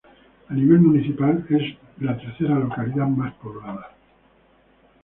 A nivel municipal es la tercer localidad más poblada.